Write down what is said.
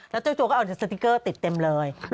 แล้วเจ้าตัวก็เอาสติ๊กเกอร์ติดเต็มเลย